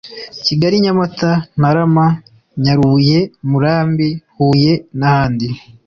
kigali nyamata ntarama nyarubuye murambi huye n ahandi